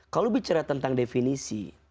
kalau bicara tentang definisi